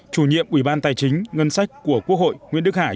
chủ nhiệm ủy ban tài chính ngân sách của quốc hội nguyễn đức hải